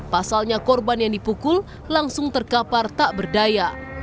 pasalnya korban yang dipukul langsung terkapar tak berdaya